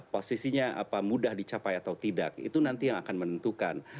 posisinya apa mudah dicapai atau tidak itu nanti yang akan menentukan